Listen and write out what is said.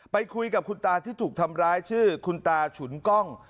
ไปคุยกับคุณตาที่ถูกทำร้ายชื่อคุณตาฉุนกล้อง